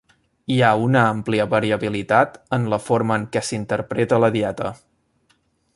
Hi ha una àmplia variabilitat en la forma en què s'interpreta la dieta.